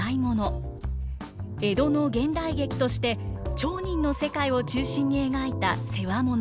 江戸の現代劇として町人の世界を中心に描いた「世話物」。